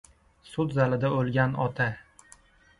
Sud zalida o‘lgan ota